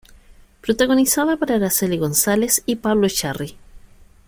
Protagonizada por Araceli González y Pablo Echarri.